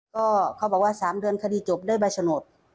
ก็เขาบอกว่า๓เดือนคดีจบได้ใบฉนด